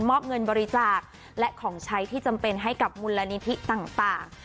อบเงินบริจาคและของใช้ที่จำเป็นให้กับมูลนิธิต่าง